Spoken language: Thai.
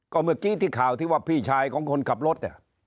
ก็เมื่อกี้ที่ข่าวที่ว่าพี่ชายของคนขับรถเนี่ย